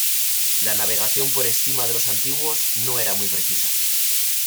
La navegación por estima de los antiguos no era muy precisa.